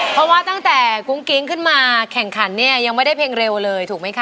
เพราะว่าตั้งแต่กุ้งกิ๊งขึ้นมาแข่งขันเนี่ยยังไม่ได้เพลงเร็วเลยถูกไหมคะ